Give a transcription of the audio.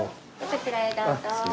こちらへどうぞ。